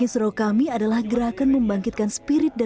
saya ingin membantu mereka